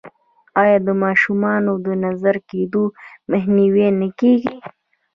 آیا د ماشومانو د نظر کیدو مخنیوی نه کیږي؟